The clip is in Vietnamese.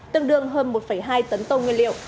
tương đương hơn một hai tấn tông nguyên liệu